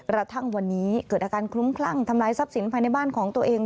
กระทั่งวันนี้เกิดอาการคลุ้มคลั่งทำลายทรัพย์สินภายในบ้านของตัวเอง